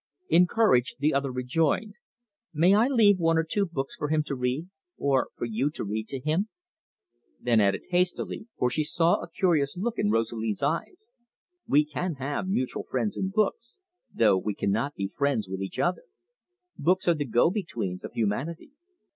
Encouraged, the other rejoined: "May I leave one or two books for him to read or for you to read to him?" Then added hastily, for she saw a curious look in Rosalie's eyes: "We can have mutual friends in books, though we cannot be friends with each other. Books are the go betweens of humanity."